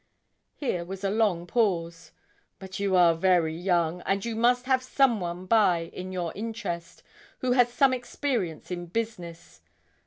Here was a long pause. 'But you are very young, and you must have some one by in your interest, who has some experience in business.